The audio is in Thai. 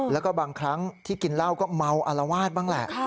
แล้วก็บางครั้งที่กินเหล้าก็เมาอารวาสบ้างแหละ